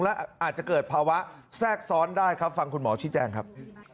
และอาจจะเกิดภาวะแทรกซ้อนได้ครับฟังคุณหมอชี้แจงครับ